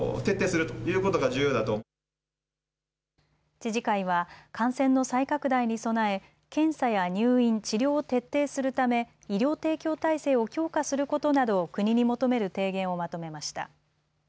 知事会は感染の再拡大に備え検査や入院、治療を徹底するため医療提供体制を強化することなどを国に求める提言をまとめました。